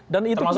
dan itu kemudian